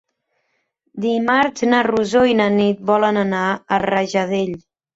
Dimarts na Rosó i na Nit volen anar a Rajadell.